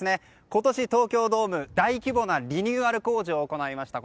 今年、東京ドーム大規模なリニューアル工事を行いました。